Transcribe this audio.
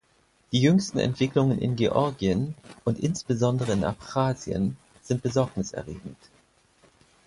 Die jüngsten Entwicklungen in Georgien, und insbesondere in Abchasien, sind Besorgnis erregend.